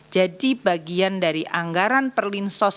jadi bagian dari anggaran perlinsos